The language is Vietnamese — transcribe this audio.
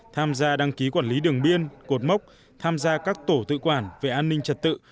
tham gia đăng ký quản lý đường biên cột mốc tham gia các tổ tự quản về an ninh trật tự